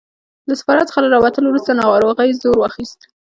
له سفارت څخه له راوتلو وروسته ناروغۍ زور واخیست.